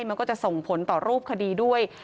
มันก็จะส่งผลต่อรูปคดีด้วย